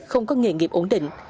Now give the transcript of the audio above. không có nghề nghiệp ổn định